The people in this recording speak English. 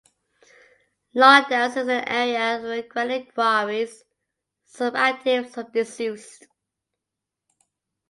Longdowns is in an area of granite quarries, some active some disused.